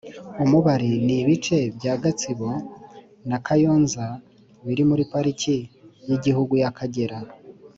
Umubali Ni ibice bya Gatsbo na Kayonza biri muri Pariki y’igihugu y’Akagera